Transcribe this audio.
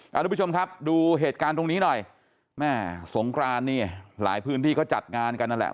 คุณผู้ชมครับดูเหตุการณ์ตรงนี้หน่อยแม่สงครานนี่หลายพื้นที่เขาจัดงานกันนั่นแหละ